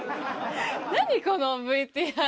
何、このＶＴＲ。